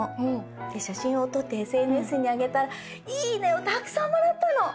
で写真を撮ってＳＮＳにあげたら「いいね！」をたくさんもらったの！